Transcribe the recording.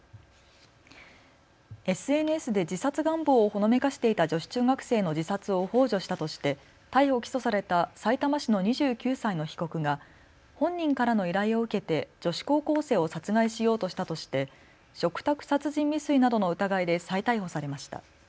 ＳＮＳで自殺願望をほのめかしていた女子中学生の自殺をほう助したとして逮捕・起訴されたさいたま市の２９歳の被告が本人からの依頼を受けて女子高校生を殺害しようとしたとして嘱託殺人未遂などの疑いで再逮捕されました。